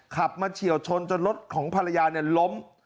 ขับมาเฉียวชนจนรถของภรรยาล้ม